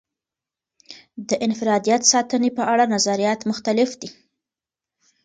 د انفرادیت ساتنې په اړه نظریات مختلف دي.